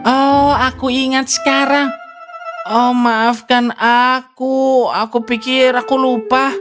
oh aku ingat sekarang oh maafkan aku aku pikir aku lupa